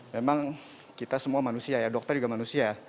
memang kita semua manusia ya dokter juga manusia